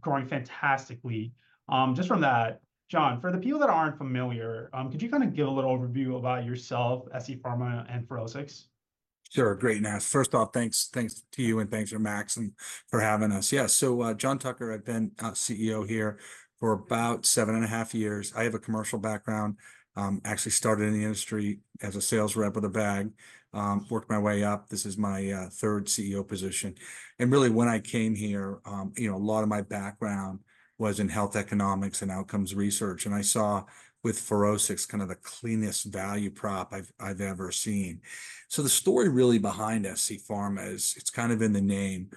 Growing fantastically. Just from that, John, for the people that aren't familiar, could you kind of give a little overview about yourself, scPharma, and FUROSCIX? Sure. Great, Naz. First off, thanks, thanks to you, and thanks for Max, and for having us. Yeah, so, John Tucker, I've been CEO here for about seven and a half years. I have a commercial background. Actually started in the industry as a sales rep with a bag. Worked my way up. This is my third CEO position, and really, when I came here, you know, a lot of my background was in health economics and outcomes research, and I saw with FUROSCIX kind of the cleanest value prop I've ever seen. So the story really behind scPharma is it's kind of in the name.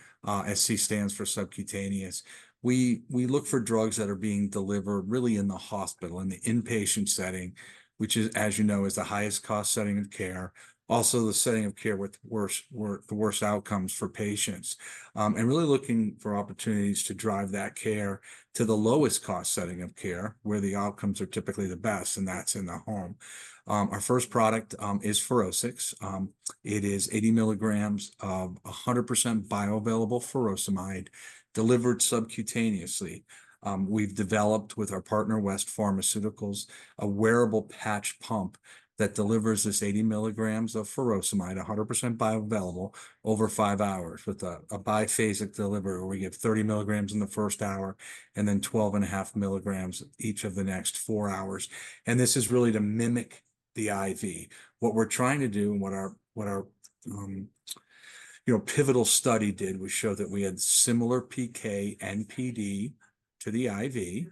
Sc stands for subcutaneous. We look for drugs that are being delivered really in the hospital, in the inpatient setting, which, as you know, is the highest cost setting of care, also the setting of care with the worst outcomes for patients. And really looking for opportunities to drive that care to the lowest cost setting of care, where the outcomes are typically the best, and that's in the home. Our first product is FUROSCIX. It is 80 milligrams of 100% bioavailable furosemide delivered subcutaneously. We've developed, with our partner, West Pharmaceutical Services, a wearable patch pump that delivers this 80 milligrams of furosemide, 100% bioavailable, over five hours with a biphasic delivery, where we get 30 milligrams in the first hour, and then 12 and a half milligrams each of the next four hours, and this is really to mimic the IV. What we're trying to do, and what our you know, pivotal study did, was show that we had similar PK and PD to the IV,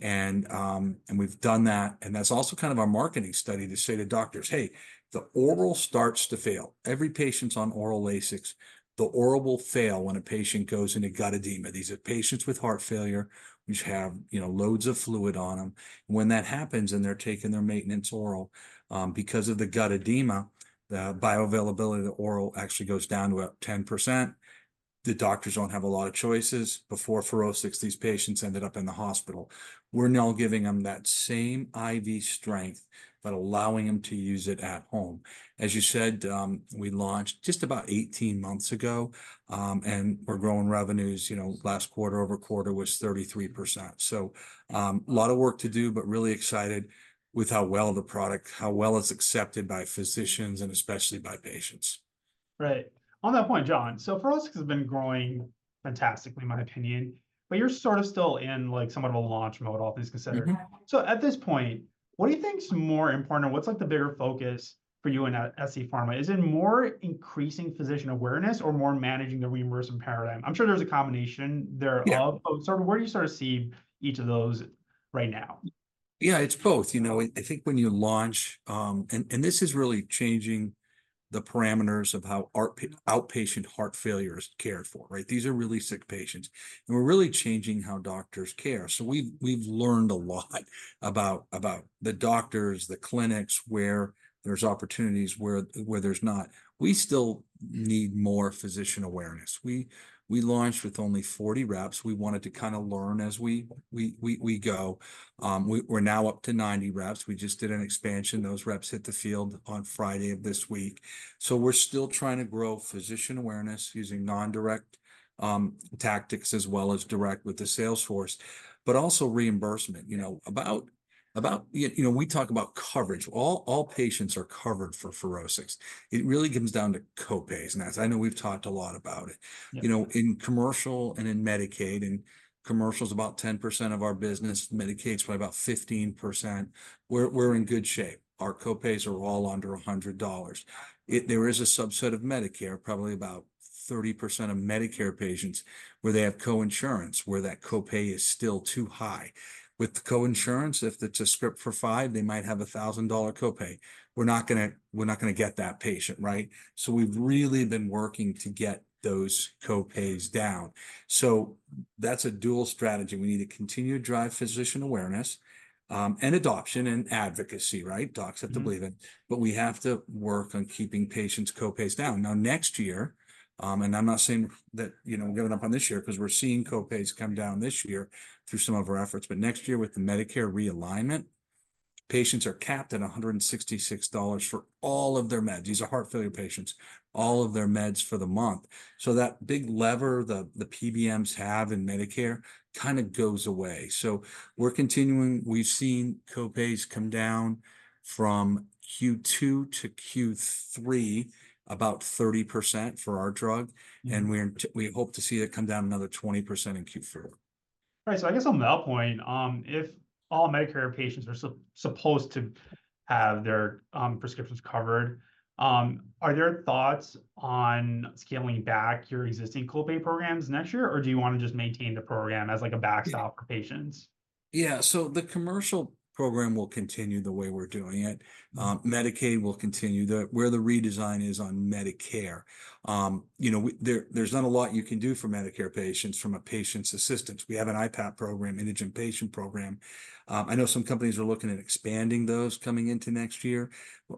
and, and we've done that, and that's also kind of our marketing study to say to doctors, "Hey, the oral starts to fail." Every patient's on oral Lasix, the oral will fail when a patient goes into gut edema. These are patients with heart failure, which have, you know, loads of fluid on them. When that happens, and they're taking their maintenance oral, because of the gut edema, the bioavailability of the oral actually goes down to about 10%. The doctors don't have a lot of choices. Before FUROSCIX, these patients ended up in the hospital. We're now giving them that same IV strength, but allowing them to use it at home. As you said, we launched just about 18 months ago, and we're growing revenues. You know, last quarter over quarter was 33%. So, a lot of work to do, but really excited with how well the product, how well it's accepted by physicians and especially by patients. Right. On that point, John, so FUROSCIX has been growing fantastically, in my opinion, but you're sort of still in, like, somewhat of a launch mode, all things considered. Yeah. So at this point, what do you think is more important, or what's, like, the bigger focus for you and scPharma? Is it more increasing physician awareness or more managing the reimbursement paradigm? I'm sure there's a combination there- Yeah... of both. So where do you sort of see each of those right now? Yeah, it's both. You know, I think when you launch. This is really changing the parameters of how outpatient heart failure is cared for, right? These are really sick patients, and we're really changing how doctors care. So we've learned a lot about the doctors, the clinics, where there's opportunities, where there's not. We still need more physician awareness. We launched with only 40 reps. We wanted to kind of learn as we go. We're now up to 90 reps. We just did an expansion. Those reps hit the field on Friday of this week. So we're still trying to grow physician awareness using non-direct tactics, as well as direct with the sales force, but also reimbursement. You know, about yeah, you know, we talk about coverage. All patients are covered for FUROSCIX. It really comes down to co-pays, and as I know, we've talked a lot about it. Yeah. You know, in commercial and in Medicaid, and commercial's about 10% of our business, Medicaid's probably about 15%, we're in good shape. Our co-pays are all under $100. There is a subset of Medicare, probably about 30% of Medicare patients, where they have co-insurance, where that co-pay is still too high. With the co-insurance, if it's a script for five, they might have a $1,000 co-pay. We're not gonna, we're not gonna get that patient, right? So we've really been working to get those co-pays down. So that's a dual strategy. We need to continue to drive physician awareness, and adoption and advocacy, right? Mm-hmm. Docs have to believe it, but we have to work on keeping patients' co-pays down. Now, next year, and I'm not saying that, you know, we're giving up on this year, 'cause we're seeing co-pays come down this year through some of our efforts, but next year, with the Medicare realignment, patients are capped at $166 for all of their meds. These are heart failure patients, all of their meds for the month, so that big lever the PBMs have in Medicare kind of goes away. We're continuing. We've seen co-pays come down from Q2 to Q3 about 30% for our drug- Mm. and we hope to see it come down another 20% in Q4. Right. So I guess on that point, if all Medicare patients are supposed to have their prescriptions covered, are there thoughts on scaling back your existing co-pay programs next year, or do you wanna just maintain the program as, like, a backstop for patients? Yeah, so the commercial program will continue the way we're doing it. Medicaid will continue. Where the redesign is on Medicare, you know, there's not a lot you can do for Medicare patients from a patient assistance. We have an IPAP program, indigent patient program. I know some companies are looking at expanding those coming into next year.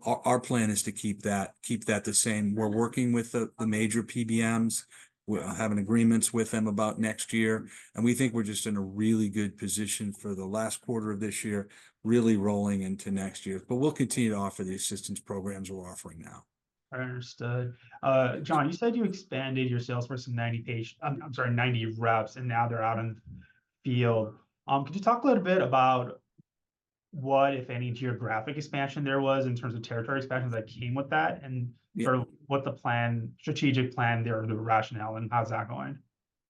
Our plan is to keep that, keep that the same. We're working with the major PBMs. We're having agreements with them about next year, and we think we're just in a really good position for the last quarter of this year, really rolling into next year. But we'll continue to offer the assistance programs we're offering now.... I understood. John, you said you expanded your sales force from 90 reps, and now they're out in the field. Could you talk a little bit about what, if any, geographic expansion there was in terms of territory expansions that came with that, and- Sure... sort of what the plan, strategic plan there, the rationale, and how's that going?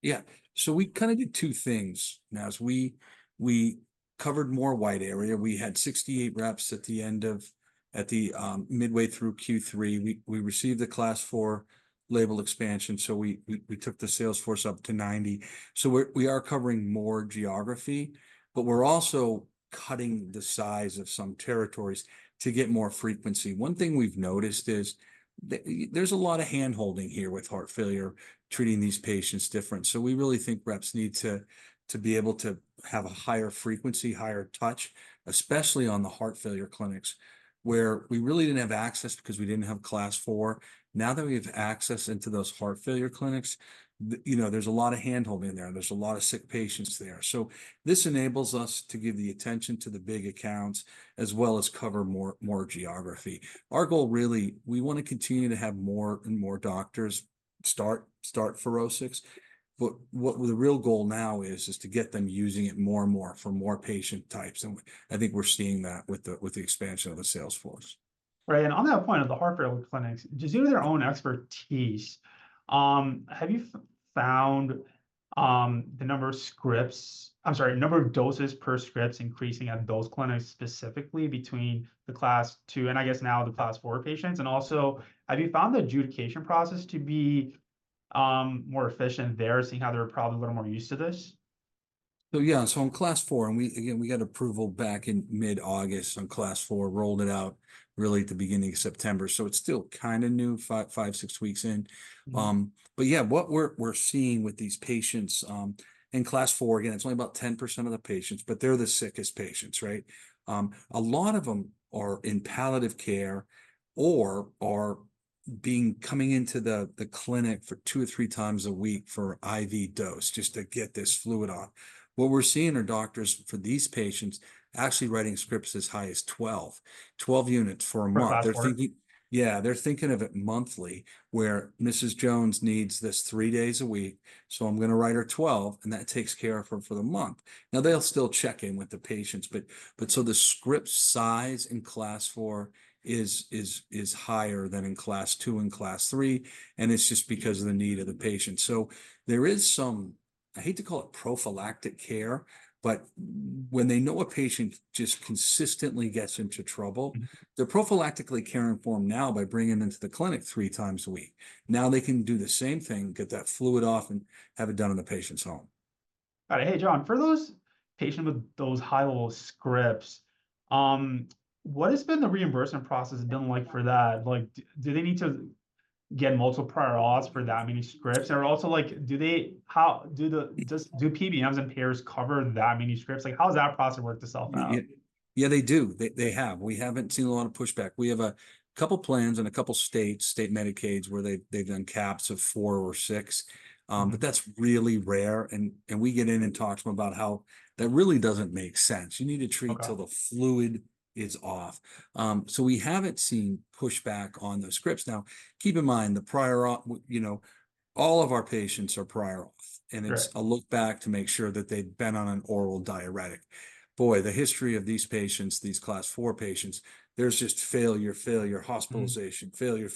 Yeah, so we kind of did two things. Now, as we covered more wide area, we had 68 reps midway through Q3. We received the Class IV label expansion, so we took the sales force up to 90. So we are covering more geography, but we're also cutting the size of some territories to get more frequency. One thing we've noticed is, there's a lot of hand-holding here with heart failure, treating these patients different. So we really think reps need to be able to have a higher frequency, higher touch, especially on the heart failure clinics, where we really didn't have access because we didn't have Class IV. Now that we have access into those heart failure clinics, you know, there's a lot of hand-holding there, and there's a lot of sick patients there. So this enables us to give the attention to the big accounts, as well as cover more geography. Our goal, really, we want to continue to have more and more doctors start FUROSCIX, but what the real goal now is to get them using it more and more for more patient types, and I think we're seeing that with the expansion of the sales force. Right, and on that point of the heart failure clinics, just due to their own expertise, have you found the number of scripts... I'm sorry, number of doses per scripts increasing at those clinics, specifically between the Class II, and I guess now the Class IV patients? And also, have you found the adjudication process to be more efficient there, seeing how they're probably a little more used to this? So yeah, in Class IV, and we again got approval back in mid-August on Class IV, rolled it out really at the beginning of September, so it's still kind of new, five, six weeks in. Mm-hmm. But yeah, what we're seeing with these patients in Class IV, again, it's only about 10% of the patients, but they're the sickest patients, right? A lot of them are in palliative care or are coming into the clinic for two or three times a week for IV dose, just to get this fluid off. What we're seeing are doctors for these patients actually writing scripts as high as 12 units for a month. For Class IV. They're thinking... Yeah, they're thinking of it monthly, where, "Mrs. Jones needs this three days a week, so I'm gonna write her 12, and that takes care of her for the month." Now, they'll still check in with the patients, but so the script size in Class IV is higher than in Class II and Class III, and it's just because of the need of the patient. So there is some, I hate to call it prophylactic care, but when they know a patient just consistently gets into trouble. Mm... they're prophylactically caring for them now by bringing them to the clinic three times a week. Now they can do the same thing, get that fluid off, and have it done in the patient's home. All right. Hey, John, for those patients with those high level scripts, what has been the reimbursement process like for that? Like, do they need to get multiple prior auths for that many scripts? And also, like, do PBMs and payers cover that many scripts? Like, how does that process work itself out? Yeah, they do. They have. We haven't seen a lot of pushback. We have a couple plans in a couple states, state Medicaid, where they've done caps of four or six. Mm. But that's really rare, and we get in and talk to them about how that really doesn't make sense. Okay. You need to treat till the fluid is off. So, we haven't seen pushback on those scripts. Now, keep in mind, the prior auth, you know, all of our patients are prior auth- Right... and it's a look back to make sure that they've been on an oral diuretic. Boy, the history of these patients, these Class IV patients, there's just failure, failure- Mm... hospitalization, failure,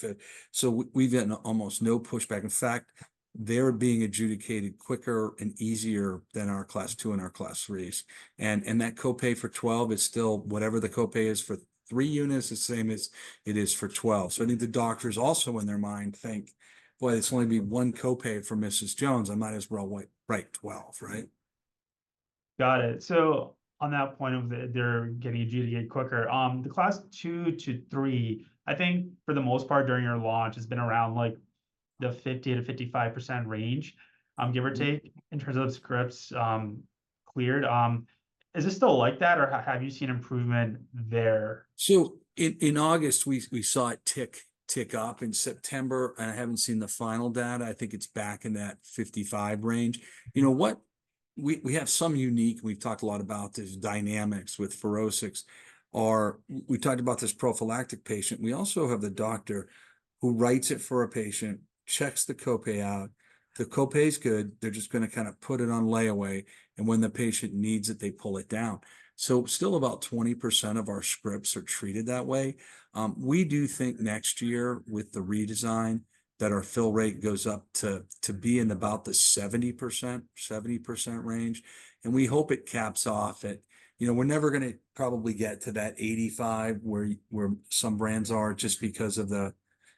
so we've gotten almost no pushback. In fact, they're being adjudicated quicker and easier than our Class II and our Class IIIs. And that copay for 12 is still whatever the copay is for three units, the same as it is for 12. So I think the doctors also, in their mind, think, "Boy, it's only gonna be one copay for Mrs. Jones. I might as well write 12," right? Got it. So on that point, they're getting adjudicated quicker, the Class II to III, I think for the most part during your launch, has been around, like, the 50%-55% range, give or take- Mm... in terms of scripts, cleared. Is it still like that, or have you seen improvement there? In August, we saw it tick up. In September, and I haven't seen the final data, I think it's back in that 55 range. You know what? We have some unique. We've talked a lot about the dynamics with FUROSCIX. We talked about this prophylactic patient. We also have the doctor who writes it for a patient, checks the copay out. The copay's good, they're just gonna kind of put it on layaway, and when the patient needs it, they pull it down. So still about 20% of our scripts are treated that way. We do think next year, with the redesign, that our fill rate goes up to be in about the 70%, 70% range, and we hope it caps off at... You know, we're never gonna probably get to that 85, where some brands are,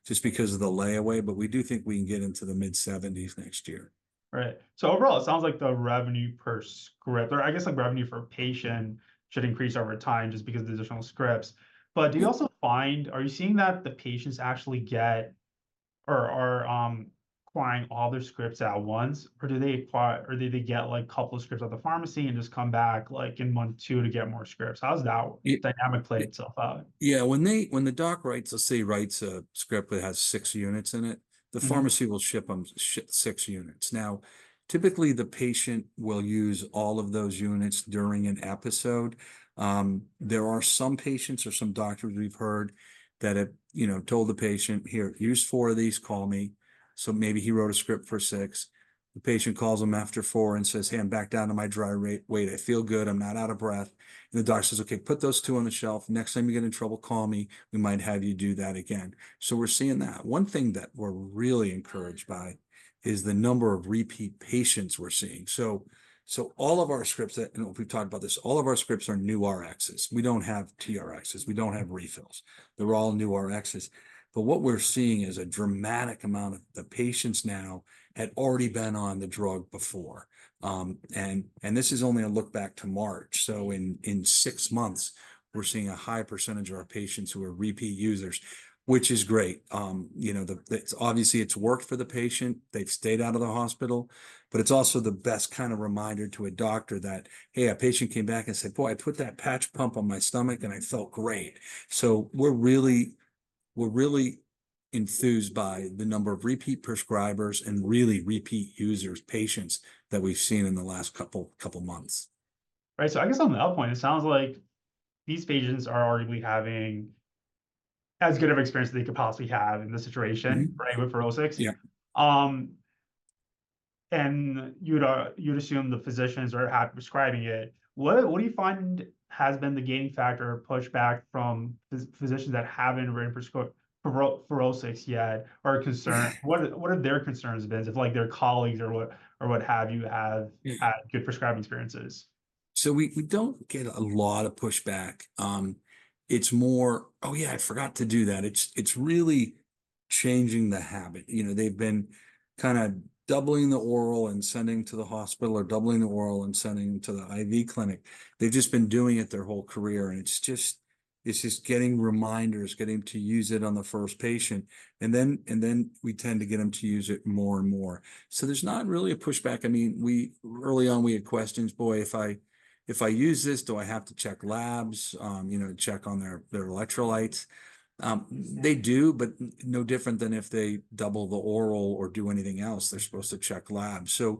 just because of the layaway, but we do think we can get into the mid-70s next year. Right, so overall, it sounds like the revenue per script, or I guess, like, revenue per patient should increase over time just because of the additional scripts. Mm. But do you also find, are you seeing that the patients actually get or acquiring all their scripts at once? Or do they get, like, a couple of scripts at the pharmacy and just come back, like, in month two to get more scripts? How does that- It-... dynamic play itself out? Yeah, when the doc writes, let's say, a script that has six units in it, the pharmacy will ship them six units. Now, typically, the patient will use all of those units during an episode. There are some patients or some doctors we've heard that have, you know, told the patient, "Here, use four of these, call me." So maybe he wrote a script for six. The patient calls him after four and says, "Hey, I'm back down to my dry weight. I feel good. I'm not out of breath." And the doctor says, "Okay, put those two on the shelf. Next time you get in trouble, call me. We might have you do that again." So we're seeing that. One thing that we're really encouraged by is the number of repeat patients we're seeing. So all of our scripts that, and we've talked about this, all of our scripts are new RXs. We don't have TRXs, we don't have refills. They're all new RXs. But what we're seeing is a dramatic amount of the patients now had already been on the drug before. And this is only a look back to March, so in six months, we're seeing a high percentage of our patients who are repeat users, which is great. You know, it's obviously worked for the patient. They've stayed out of the hospital. But it's also the best kind of reminder to a doctor that, hey, a patient came back and said, "Boy, I put that patch pump on my stomach and I felt great." So we're really, we're really enthused by the number of repeat prescribers and really repeat users, patients, that we've seen in the last couple, couple months. Right. So I guess on that point, it sounds like these patients are arguably having as good of an experience as they could possibly have in this situation. Mm-hmm... right, with FUROSCIX? Yeah. And you'd assume the physicians are prescribing it. What do you find has been the gaining factor or pushback from physicians that haven't prescribed FUROSCIX yet, or are concerned? What have their concerns been if, like, their colleagues or what, or what have you, have- Yeah... had good prescribing experiences? So we don't get a lot of pushback. It's more, "Oh yeah, I forgot to do that." It's really changing the habit. You know, they've been kind of doubling the oral and sending to the hospital or doubling the oral and sending to the IV clinic. They've just been doing it their whole career, and it's just... It's just getting reminders, getting to use it on the first patient, and then we tend to get them to use it more and more. So there's not really a pushback. I mean, early on, we had questions: "Boy, if I use this, do I have to check labs, you know, check on their electrolytes? Yeah. They do, but no different than if they double the oral or do anything else. They're supposed to check labs. So,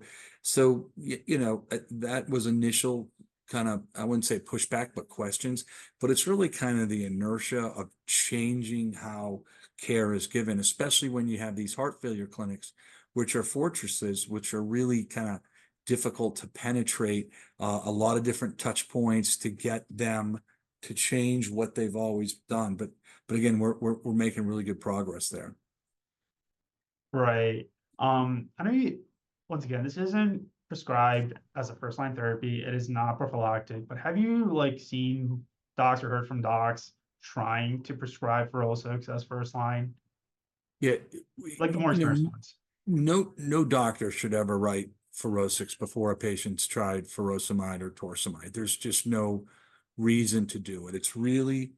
you know, that was initial kind of. I wouldn't say pushback, but questions, but it's really kind of the inertia of changing how care is given, especially when you have these heart failure clinics, which are fortresses, which are really kind of difficult to penetrate. A lot of different touch points to get them to change what they've always done, but again, we're making really good progress there. Right. I know you... Once again, this isn't prescribed as a first-line therapy. It is not prophylactic, but have you, like, seen docs or heard from docs trying to prescribe FUROSCIX as first line? Yeah, we- Like, the more standard ones. No, no doctor should ever write FUROSCIX before a patient's tried furosemide or torsemide. There's just no reason to do it. It's really,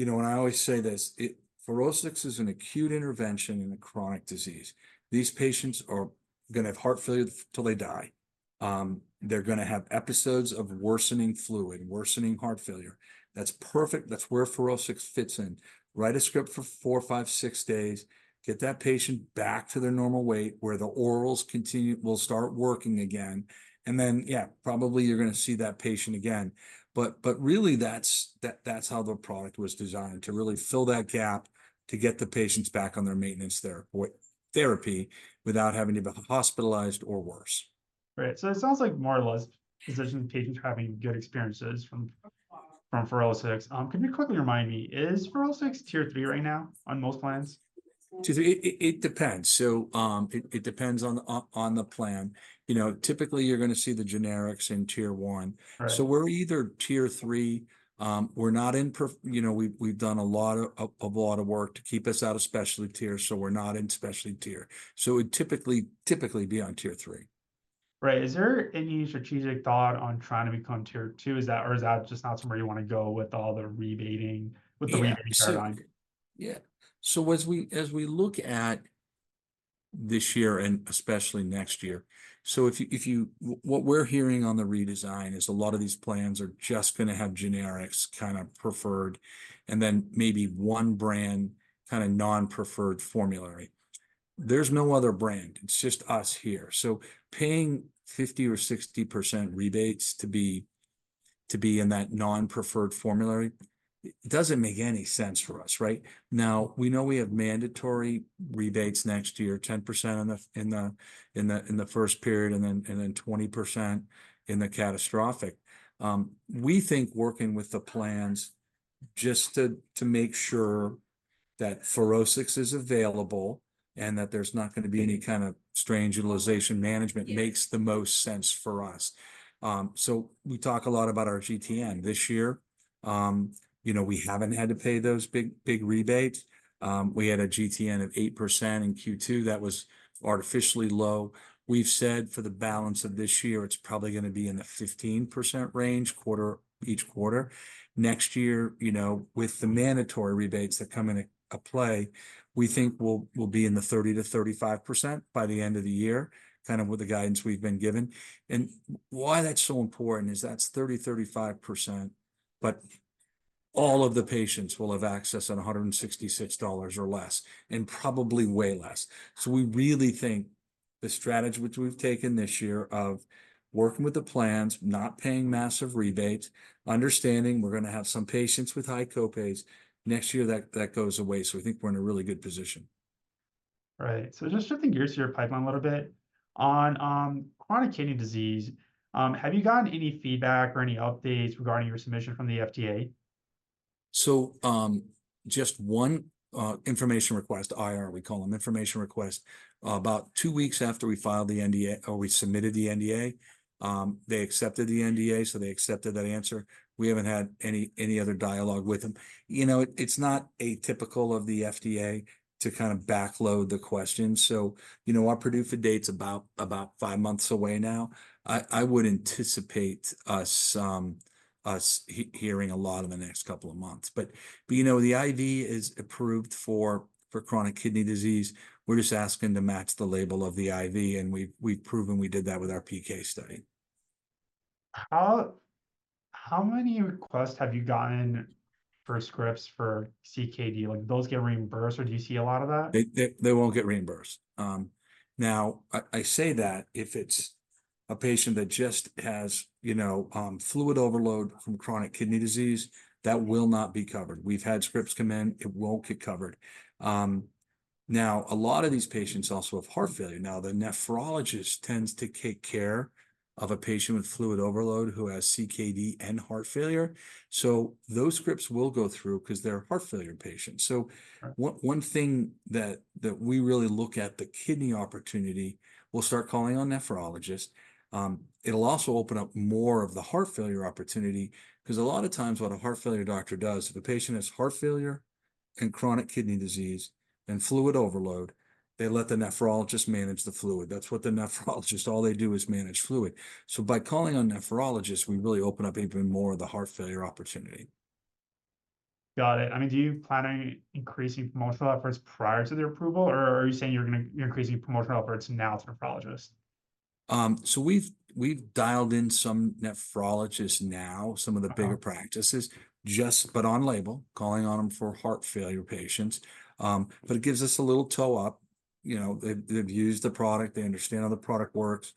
you know. And I always say this, it, FUROSCIX is an acute intervention in a chronic disease. These patients are gonna have heart failure till they die. They're gonna have episodes of worsening fluid, worsening heart failure. That's perfect. That's where FUROSCIX fits in. Write a script for four, five, six days, get that patient back to their normal weight, where the orals continue, will start working again, and then, yeah, probably you're gonna see that patient again. But really that's how the product was designed, to really fill that gap, to get the patients back on their maintenance therapy without having to be hospitalized or worse. Right. So it sounds like more or less, physicians and patients are having good experiences from FUROSCIX. Can you quickly remind me, is FUROSCIX tier three right now on most plans? It depends. So, it depends on the plan. You know, typically, you're gonna see the generics in tier one. Right. So we're either tier three, we're not in per... You know, we've done a lot of work to keep us out of specialty tier, so we're not in specialty tier. So we'd typically be on tier three. Right. Is there any strategic thought on trying to become tier two? Is that, or is that just not somewhere you want to go with all the rebating, with the rebating paradigm? Yeah. So as we look at this year and especially next year, so what we're hearing on the redesign is a lot of these plans are just gonna have generics kind of preferred, and then maybe one brand, kind of, non-preferred formulary. There's no other brand, it's just us here. So paying 50 or 60% rebates to be in that non-preferred formulary, it doesn't make any sense for us, right? Now, we know we have mandatory rebates next year, 10% in the first period, and then 20% in the catastrophic. We think working with the plans just to make sure that FUROSCIX is available and that there's not gonna be any kind of strange utilization management- Yeah... makes the most sense for us. So we talk a lot about our GTN this year. You know, we haven't had to pay those big, big rebates. We had a GTN of 8% in Q2 that was artificially low. We've said for the balance of this year, it's probably gonna be in the 15% range, quarter, each quarter. Next year, you know, with the mandatory rebates that come into play, we think we'll be in the 30%-35% by the end of the year, kind of with the guidance we've been given. And why that's so important is that's 30%-35%, but all of the patients will have access at $166 or less, and probably way less. So, we really think the strategy which we've taken this year of working with the plans, not paying massive rebates, understanding we're gonna have some patients with high co-pays next year, that goes away. So, we think we're in a really good position. Right. So just shifting gears to your pipeline a little bit, on, chronic kidney disease, have you gotten any feedback or any updates regarding your submission from the FDA? So, just one information request, IR we call them, information request. About two weeks after we filed the NDA or we submitted the NDA, they accepted the NDA, so they accepted that answer. We haven't had any other dialogue with them. You know, it's not atypical of the FDA to kind of back load the questions. So, you know, our PDUFA date's about five months away now. I would anticipate us hearing a lot in the next couple of months. But, you know, the IV is approved for chronic kidney disease. We're just asking to match the label of the IV, and we've proven we did that with our PK study. How many requests have you gotten for scripts for CKD? Like, do those get reimbursed, or do you see a lot of that? They won't get reimbursed. Now, I say that, if it's a patient that just has, you know, fluid overload from chronic kidney disease, that will not be covered. We've had scripts come in, it won't get covered. Now, a lot of these patients also have heart failure. Now, the nephrologist tends to take care of a patient with fluid overload who has CKD and heart failure, so those scripts will go through 'cause they're a heart failure patient. Right. One thing that we really look at is the kidney opportunity. We'll start calling on nephrologists. It'll also open up more of the heart failure opportunity, because a lot of times what a heart failure doctor does, if a patient has heart failure and chronic kidney disease and fluid overload, they let the nephrologist manage the fluid. That's what the nephrologist... all they do is manage fluid. By calling on nephrologists, we really open up even more of the heart failure opportunity. Got it. I mean, do you plan on increasing promotional efforts prior to the approval, or are you saying you're increasing promotional efforts now to nephrologists? So we've dialed in some nephrologists now- Uh-huh... some of the bigger practices, just but on label, calling on them for heart failure patients. But it gives us a little toehold. You know, they've used the product, they understand how the product works.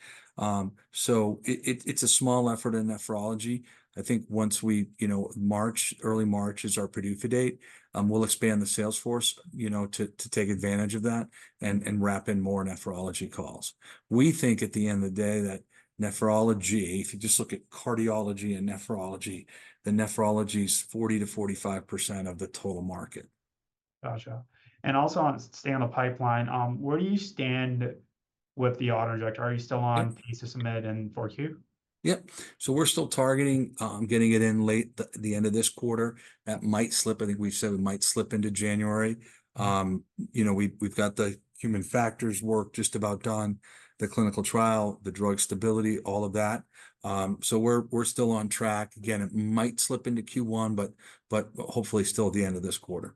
So it's a small effort in nephrology. I think once we... You know, March, early March, is our PDUFA date. We'll expand the sales force, you know, to take advantage of that, and wrap in more nephrology calls. We think at the end of the day that nephrology, if you just look at cardiology and nephrology, the nephrology's 40%-45% of the total market. Gotcha. And also on... staying on the pipeline, where do you stand with the auto-injector? Yep. Are you still on PDUFA target and for Q4? Yep, so we're still targeting getting it in late in the end of this quarter. That might slip. I think we've said we might slip into January. You know, we've got the human factors work just about done, the clinical trial, the drug stability, all of that, so we're still on track. Again, it might slip into Q1, but hopefully still at the end of this quarter.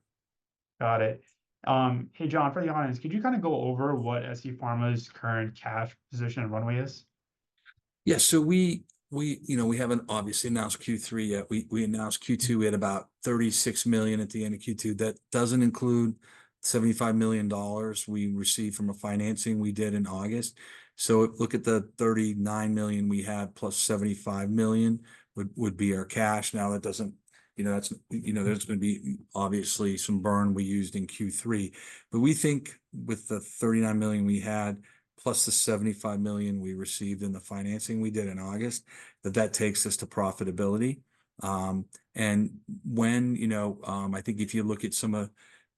Got it. Hey, John, for the audience, could you kind of go over what scPharmaceuticals' current cash position and runway is? Yeah. So we, you know, haven't obviously announced Q3 yet. We announced Q2. Mm-hmm. We had about $36 million at the end of Q2. That doesn't include $75 million we received from a financing we did in August. So look at the $39 million we had, plus $75 million, would be our cash. Now, that doesn't. You know, that's, you know, there's gonna be obviously some burn we used in Q3. But we think with the $39 million we had, plus the $75 million we received in the financing we did in August, that takes us to profitability. I think if you look at some of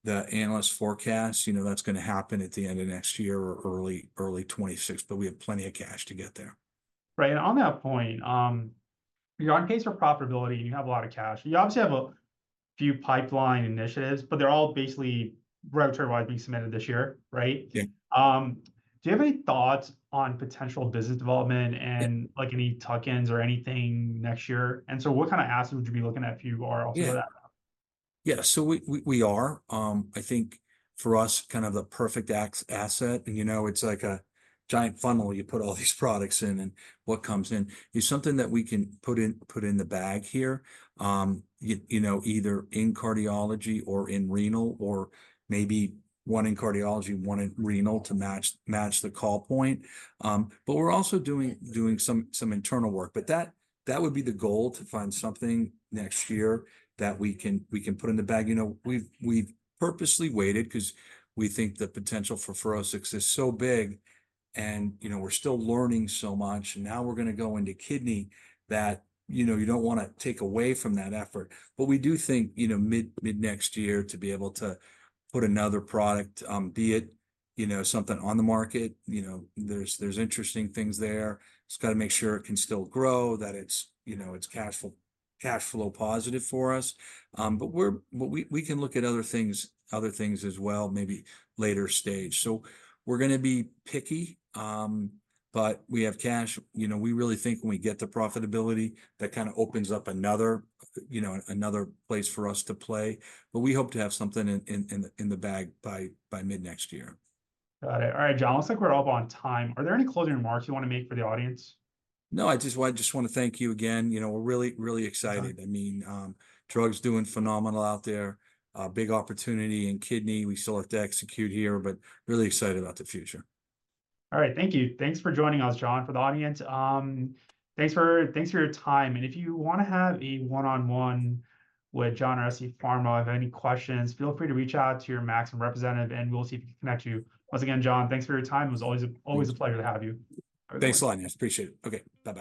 the analyst forecasts, you know, that's gonna happen at the end of next year or early 2026, but we have plenty of cash to get there. Right. And on that point, you're on pace for profitability and you have a lot of cash. You obviously have a few pipeline initiatives, but they're all basically regulatory-wise being submitted this year, right? Yeah. Do you have any thoughts on potential business development and- Yeah... like, any tuck-ins or anything next year? And so what kind of assets would you be looking at if you are also that? Yeah, so we are. I think for us, kind of the perfect asset, and you know, it's like a giant funnel. You put all these products in, and what comes in? It's something that we can put in the bag here, you know, either in cardiology or in renal or maybe one in cardiology and one in renal to match the call point. But we're also doing some internal work. But that would be the goal, to find something next year that we can put in the bag. You know, we've purposely waited 'cause we think the potential for FUROSCIX is so big and, you know, we're still learning so much, and now we're gonna go into kidney, that you know, you don't wanna take away from that effort. But we do think, you know, mid next year, to be able to put another product, be it, you know, something on the market. You know, there's interesting things there. Just gotta make sure it can still grow, that it's, you know, it's cashflow positive for us. But we can look at other things as well, maybe later stage. So we're gonna be picky. But we have cash. You know, we really think when we get to profitability, that kind of opens up another, you know, another place for us to play. But we hope to have something in the bag by mid next year. Got it. All right, John, looks like we're up on time. Are there any closing remarks you wanna make for the audience? No, I just wanna, just wanna thank you again. You know, we're really, really excited. Got it. I mean, drug's doing phenomenal out there. A big opportunity in kidney. We still have to execute here, but really excited about the future. All right, thank you. Thanks for joining us, John, for the audience. Thanks for your time, and if you wanna have a one-on-one with John or scPharma, or have any questions, feel free to reach out to your Maxim representative and we'll see if we can connect you. Once again, John, thanks for your time. It was always a- Thanks... always a pleasure to have you. Thanks a lot, guys. Appreciate it. Okay. Bye bye.